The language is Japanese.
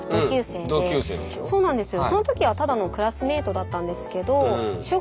そうなんですよ。